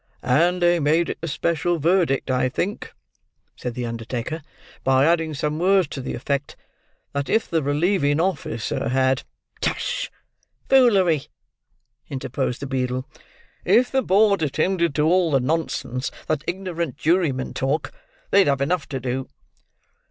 "And they made it a special verdict, I think," said the undertaker, "by adding some words to the effect, that if the relieving officer had—" "Tush! Foolery!" interposed the beadle. "If the board attended to all the nonsense that ignorant jurymen talk, they'd have enough to do."